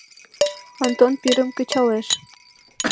Онтон пирым кычалеш.